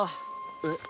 えっ？